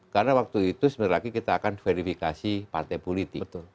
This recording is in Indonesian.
karena waktu itu sebentar lagi kita akan verifikasi partai politik